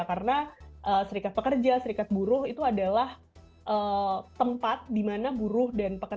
karena serikat pekerja serikat buruh itu adalah tempat di mana pekerja bisa berdiri